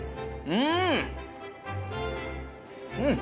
うん。